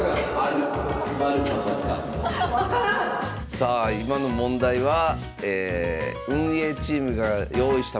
さあ今の問題は運営チームが用意した